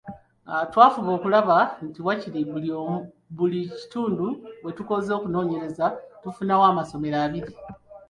Twafuba okulaba nti waakiri mu buli kitundu we tukoze okunoonyereza tufunawo amasomero abiri.